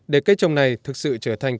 để cây trồng này thực sự trở thành